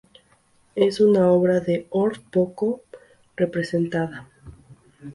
Es una obra de Orff poco representada.